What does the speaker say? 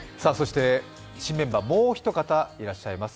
新メンバー、もう一方いらっしゃいます。